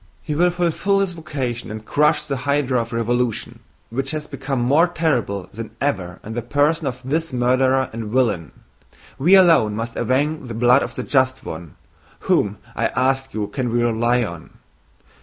He will fulfill his vocation and crush the hydra of revolution, which has become more terrible than ever in the person of this murderer and villain! We alone must avenge the blood of the just one.... Whom, I ask you, can we rely on?...